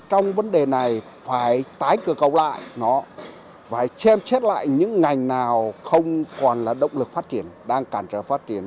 trong vấn đề này phải tái cửa cầu lại phải chem chết lại những ngành nào không còn là động lực phát triển đang cản trở phát triển